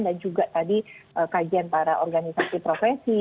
dan juga tadi kajian para organisasi profesi